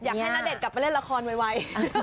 อยากให้นาเดชกลับมาเล่นละครไว